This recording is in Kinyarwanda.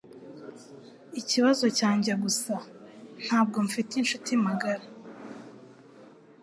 Ikibazo cyanjye gusa ntabwo mfite inshuti magara.